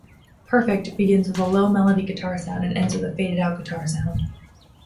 "Perfect" begins with a low-melody guitar-sound and ends with a faded out guitar-sound.